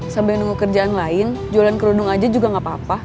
sambil nunggu kerjaan lain jualan kerudung aja juga gak apa apa